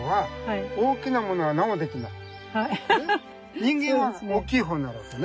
人間は大きい方になるわけね。